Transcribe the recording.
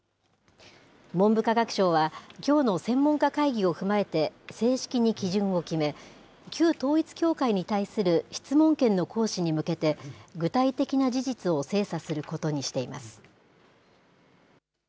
文部科学省は、きょうの専門家会議を踏まえて、正式に基準を決め、旧統一教会に対する質問権の行使に向けて、具体的な事実を精査することにしています。